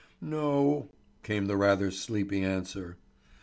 "No," came the rather sleepy answer.